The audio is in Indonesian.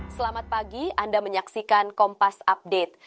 selamat pagi anda menyaksikan kompas update